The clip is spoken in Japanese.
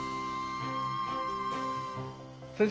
先生